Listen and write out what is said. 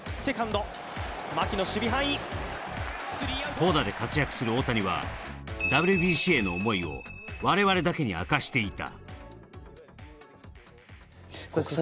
投打で活躍する大谷はＷＢＣへの思いを我々だけに明かしていた。